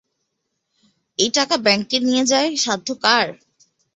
এ টাকা ব্যাঙ্কে নিয়ে যায় সাধ্য কার?